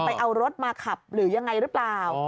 ไปเอารถมาขับหรือยังไงหรือเปล่า